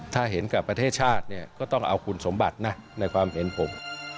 ถ้าเห็นกับประเทศชาติเนี่ยก็ต้องเอาคุณสมบัตินะในความเห็นผม